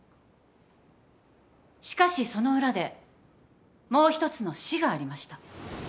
しかしその裏でもう一つの死がありました。